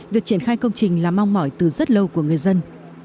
việc triển khai công trình là mong mỏi từ rất lâu của người dân